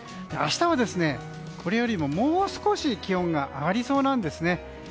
明日はこれよりも、もう少し気温が上がりそうなんですね。